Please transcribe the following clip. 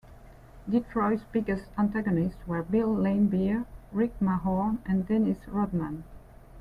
Detroit's biggest antagonists were Bill Laimbeer, Rick Mahorn and Dennis Rodman.